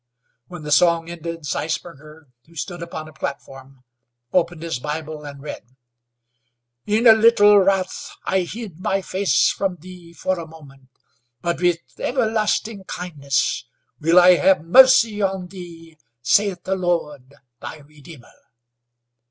When the song ended Zeisberger, who stood upon a platform, opened his Bible and read: "In a little wrath I hid my face from thee for a moment, but with everlasting kindness will I have mercy on thee, saith the Lord, thy Redeemer."